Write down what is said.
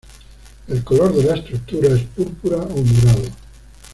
El color de la estructura es púrpura o morado.